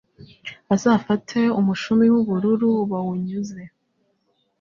Bazafate umushumi w ubururu bawunyuze